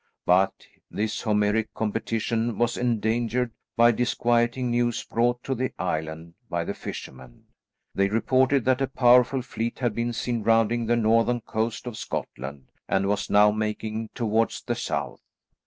But this Homeric competition was endangered by disquieting news brought to the island by the fishermen. They reported that a powerful fleet had been seen rounding the northern coast of Scotland, and was now making towards the south.